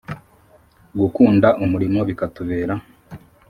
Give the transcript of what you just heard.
gukunda umurimo bikatubera,